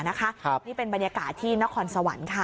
นี่เป็นบรรยากาศที่นครสวรรค์ค่ะ